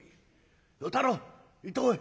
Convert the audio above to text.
与太郎行ってこい。